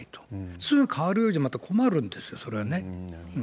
すぐすぐ変わるようじゃ困るんですよ、それはね。